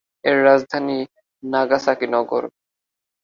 এর রাজধানী নাগাসাকি নগর।